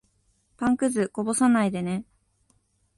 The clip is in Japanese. パンくず、こぼさないでね。